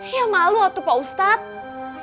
ya malu waktu pak ustadz